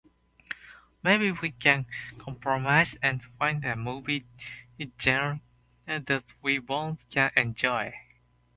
Maybe we can compromise and find a movie genre that we both can enjoy.